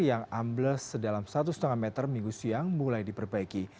yang ambles sedalam satu lima meter minggu siang mulai diperbaiki